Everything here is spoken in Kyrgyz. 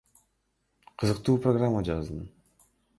Кызыктуу программа жаздым